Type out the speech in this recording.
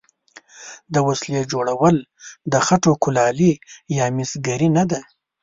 د وسلې جوړول د خټو کولالي یا مسګري نه ده.